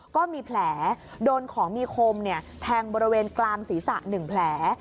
ก็มีแผลโดนของมีคมแทงบริเวณกลางศีรษะ๑แผล